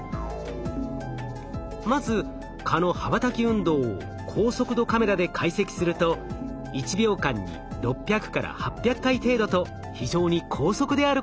まず蚊の羽ばたき運動を高速度カメラで解析すると１秒間に６００８００回程度と非常に高速であることが分かりました。